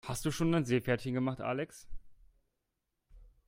Hast du schon dein Seepferdchen gemacht, Alex?